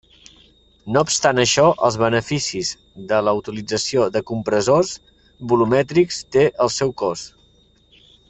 No obstant això, els beneficis de la utilització de compressors volumètrics té el seu cost.